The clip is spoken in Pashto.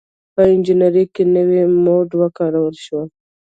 • په انجینرۍ کې نوي مواد وکارول شول.